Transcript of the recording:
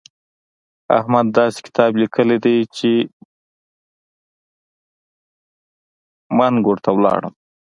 احمد داسې کتاب ليکلی دی چې منګ ورته ولاړم.